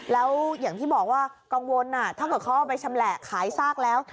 แล้วอย่างที่บอกว่ากังวลถ้าเกิดเขาเอาไปชำแหละขายซากแล้ว